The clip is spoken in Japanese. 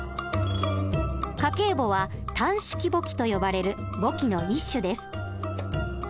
家計簿は単式簿記と呼ばれる簿記の一種です。